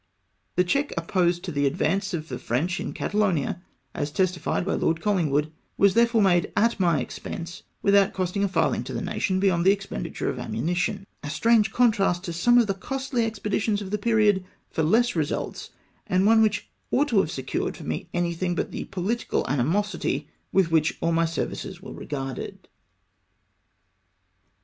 The check opposed to the advance of the French in Catalonia — as testified by Lord Col lingwood — was therefore made at my expense, without costing a farthing to the nation beyond the expenditure of ammunition ; a strange contrast to some of the costly expeditions of the period for less results, and one which ought to have secured for me anything but the political animosity with wliich all my services were recarded.